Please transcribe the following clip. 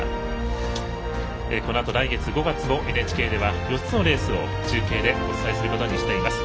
このあと来月５月もＮＨＫでは４つのレースを中継でお伝えすることにします。